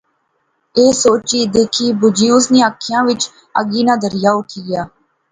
ایہہ سوچی، دیکھی، بجی اس نیں اکھی وچ اگی ناں دریا اٹھی آیا